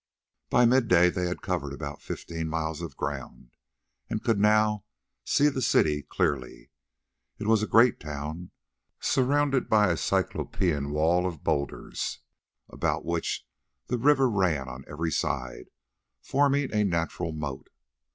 By midday they had covered about fifteen miles of ground, and could now see the city clearly. It was a great town, surrounded by a Cyclopean wall of boulders, about which the river ran on every side, forming a natural moat.